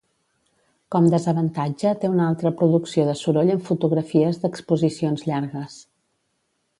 Com desavantatge té una alta producció de soroll en fotografies d'exposicions llargues.